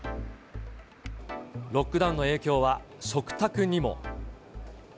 ロックダウンの影響は、食卓にも。